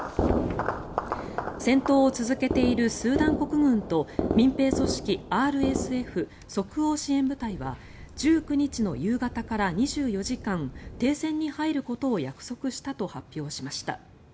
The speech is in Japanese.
戦闘を続けているスーダン国軍と民兵組織ＲＳＦ・即応支援部隊は１９日の夕方から２４時間停戦に入ることを約束したと発表しました。